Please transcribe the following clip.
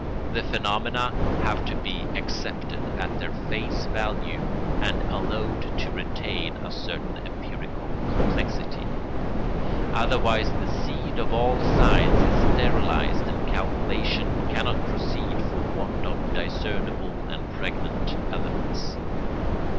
The phenomena have to be accepted at their face value and allowed to retain a certain empirical complexity; otherwise the seed of all science is sterilised and calculation cannot proceed for want of discernible and pregnant elements.